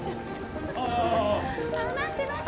待って待って。